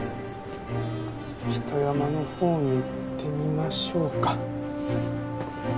北山のほうに行ってみましょうか。